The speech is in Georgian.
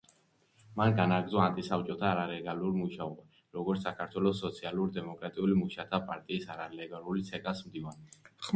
მან განაგრძო ანტისაბჭოთა არალეგალური მუშაობა, როგორც საქართველოს სოციალ-დემოკრატიული მუშათა პარტიის არალეგალური ცეკას მდივანმა.